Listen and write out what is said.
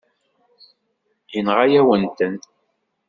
Yenɣa-yawen-ten.